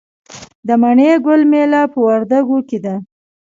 د مڼې ګل میله په وردګو کې ده.